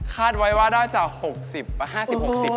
คาดไว้ว่าได้จาก๕๐๖๐ประมาณนี้